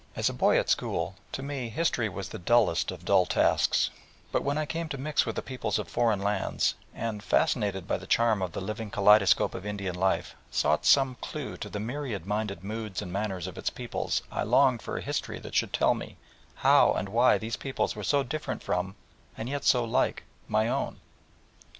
As a boy at school to me history was the dullest of dull tasks, but when I came to mix with the peoples of foreign lands, and, fascinated by the charm of the living kaleidoscope of Indian life, sought some clue to the myriad minded moods and manners of its peoples, I longed for a history that should tell me how and why these peoples were so different from, and yet so like, my own.